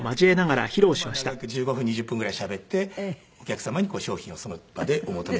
これをまあ長く１５分２０分ぐらいしゃべってお客様に商品をその場でお求め頂ければなって。